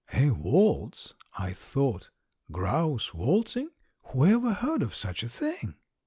"A waltz," I thought; "grouse waltzing; whoever heard of such a thing?"